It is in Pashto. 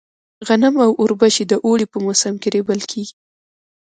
غنم او اوربشې د اوړي په موسم کې رېبل کيږي.